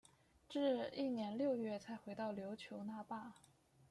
至翌年六月才回到琉球那霸。